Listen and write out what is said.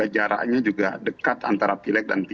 ini kan jaraknya juga dekat antara pileg dan pilpres